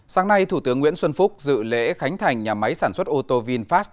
sáng nay thủ tướng nguyễn xuân phúc dự lễ khánh thành nhà máy sản xuất ô tô vinfast